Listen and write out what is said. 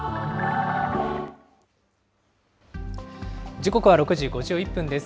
時刻は６時５１分です。